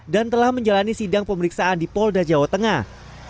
dan telah menjalani sidang pemeriksaan di polda jawa tengah